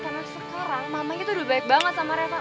karena sekarang mamanya tuh udah baik banget sama reva